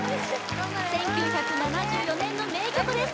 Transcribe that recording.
１９７４年の名曲です